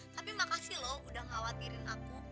tapi makasih loh udah khawatirin aku